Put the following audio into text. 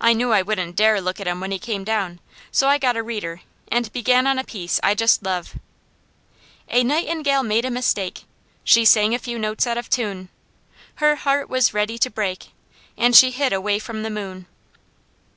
I knew I wouldn't dare look at him when he came down, so I got a reader and began on a piece I just love: "A nightingale made a mistake; She sang a few notes out of tune: Her heart was ready to break, And she hid away from the moon."